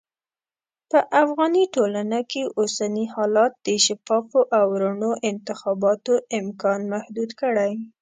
په افغاني ټولنه کې اوسني حالات د شفافو او رڼو انتخاباتو امکان محدود کړی.